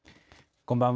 こんばんは。